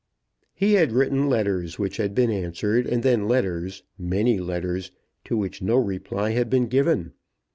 He had written letters which had been answered, and then letters, many letters, to which no reply had been given.